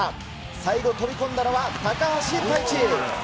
最後、飛び込んだのは高橋汰地。